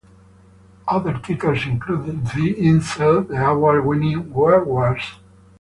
Other titles include "Die Insel", the award-winning "Wer War's?